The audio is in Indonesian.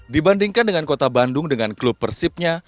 dibandingkan dengan kota bandung dengan klub persibnya